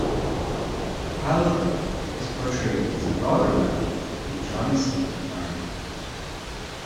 Palver is portrayed as a rather loud and jolly simple farmer.